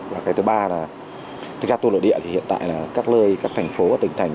và cái thứ ba là thực ra tour nội địa thì hiện tại là các nơi các thành phố và tỉnh thành